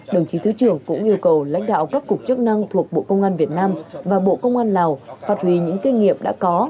đồng chí thứ trưởng cũng yêu cầu lãnh đạo các cục chức năng thuộc bộ công an việt nam và bộ công an lào phát huy những kinh nghiệm đã có